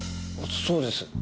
そうです。